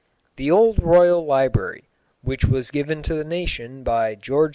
The old Royal Library, which was given to the nation by George II.